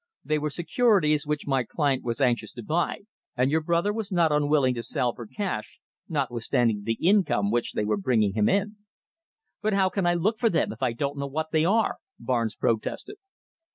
They were securities which my client was anxious to buy, and your brother was not unwilling to sell for cash, notwithstanding the income which they were bringing him in." "But how can I look for them, if I don't know what they are?" Barnes protested.